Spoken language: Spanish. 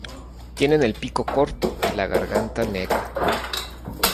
Tienen el pico corto y la garganta negra.